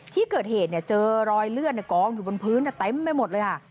ที่เกิดเหตุเจอรอยเลือดกองอยู่บนพื้นเต็มไปหมดเลยค่ะ